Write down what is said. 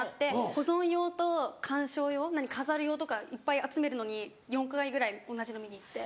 保存用と観賞用飾る用とかいっぱい集めるのに４回ぐらい同じの見に行って。